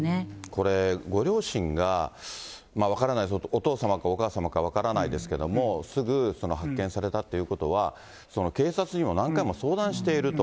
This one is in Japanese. これ、ご両親が、分からないですけど、お父様かお母様か分からないですけど、すぐ発見されたということは、警察にも何回も相談していると。